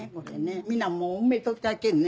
みんなもう埋めとったけんね